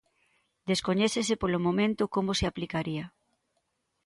Descoñécese polo momento como se aplicaría.